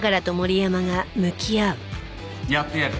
やってやる。